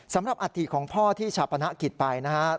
สำหรับอะถีของพ่อที่ชัพนะกิจไป